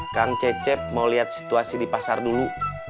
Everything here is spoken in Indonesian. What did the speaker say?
kang cecep mau lihat situasi di pasar dulu